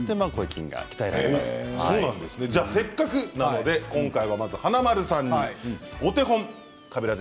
せっかくなので華丸さんにお手本